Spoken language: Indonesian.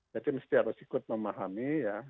jadi mesti harus ikut memahami ya